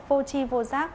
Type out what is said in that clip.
vô chi vô giác